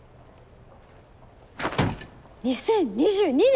２０２２年！？